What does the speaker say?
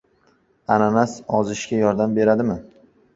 Ananas ozishga yordam beradimi?